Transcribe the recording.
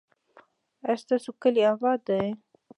ایا ستاسو کلی اباد دی؟